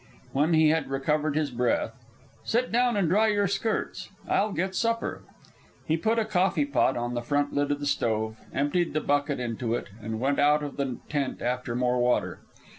When he had recovered his breath, "Sit down and dry your skirts. I'll get supper." He put a coffee pot on the front lid of the stove, emptied the bucket into it, and went out of the tent after more water.